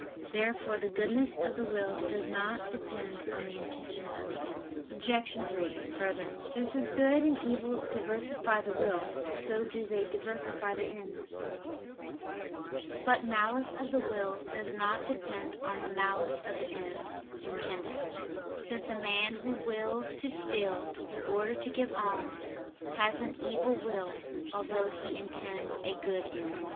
Therefore the goodness of the will does not depend on the intention of the end. Obj. 3: Further, just as good and evil diversify the will, so do they diversify the end. But malice of the will does not depend on the malice of the end intended; since a man who wills to steal in order to give alms, has an evil will, although he intends a good end.